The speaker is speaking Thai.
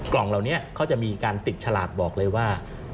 กล่องเหล่านี้เขาจะมีการติดฉลากบอกเลยว่า